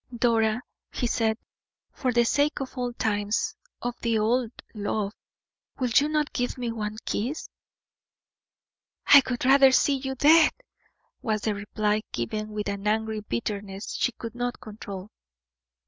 "Dora," he said, "for the sake of old times of the old love will you not give me one kiss?" "I would rather see you dead!" was the reply, given with an angry bitterness she could not control.